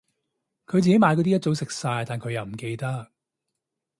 佢自己買嗰啲一早食晒但佢唔記得